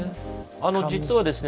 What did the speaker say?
あの実はですね